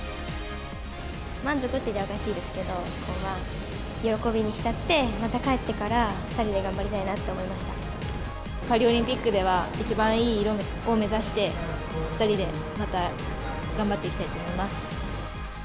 満足といったらおかしいですけど、喜びに浸って、また帰ってから、２人で頑張りたいなって思パリオリンピックでは一番いい色を目指して、２人でまた頑張っていきたいと思います。